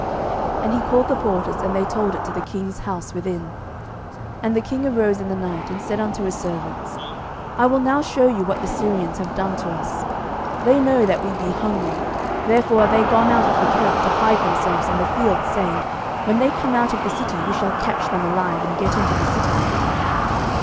12:007:011 And he called the porters; and they told it to the king's house within. 12:007:012 And the king arose in the night, and said unto his servants, I will now shew you what the Syrians have done to us. They know that we be hungry; therefore are they gone out of the camp to hide themselves in the field, saying, When they come out of the city, we shall catch them alive, and get into the city.